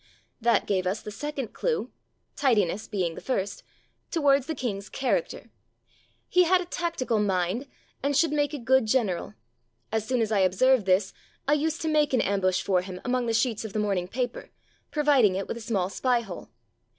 That gave us the second clue (tidiness being the first) towards the king's character. He had a tactical mind, and should make a good general. As soon as I observed this, I used to make an ambush for him among the sheets of the morning paper, pro viding it with a small spy hole.